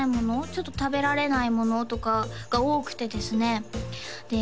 ちょっと食べられないものとかが多くてですねで